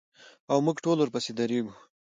او موږ ټول ورپسې درېږو.